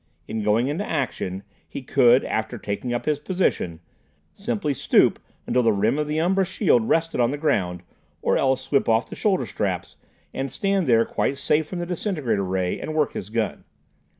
In going into action he could, after taking up his position, simply stoop until the rim of the umbra shield rested on the ground, or else slip off the shoulder straps, and stand there, quite safe from the disintegrator ray, and work his gun.